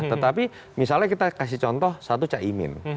tetapi misalnya kita kasih contoh satu caimin